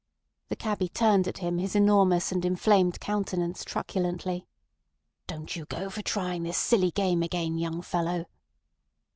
The cabby turned at him his enormous and inflamed countenance truculently. "Don't you go for trying this silly game again, young fellow."